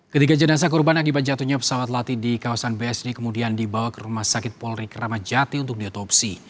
ketiga jenazah korban akibat jatuhnya pesawat latih di kawasan bsd kemudian dibawa ke rumah sakit polri kramajati untuk diotopsi